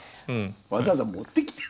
わざわざ持ってきてる。